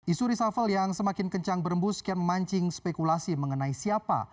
isu reshuffle yang semakin kencang berembus kian memancing spekulasi mengenai siapa